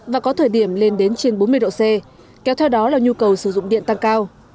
và có thời điểm lên đến trên bốn mươi độ c kéo theo đó là nhu cầu sử dụng điện tăng cao